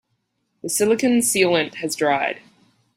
The silicon sealant has dried.